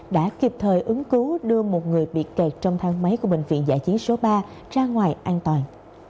đã kịp thời ứng cứu đưa một người bị kẹt trong thang máy của bệnh viện giải chiến số ba ra ngoài an toàn